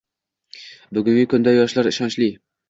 Bugungi kunda yoshlar ishonchli.